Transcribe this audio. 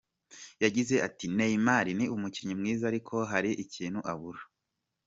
Yagize ati “Neymar ni umukinnyi mwiza ariko hari ikintu abura.